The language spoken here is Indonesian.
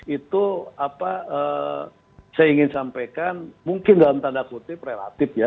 itu apa saya ingin sampaikan mungkin dalam tanda kutip relatif ya